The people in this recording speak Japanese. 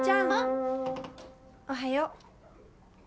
おはよう。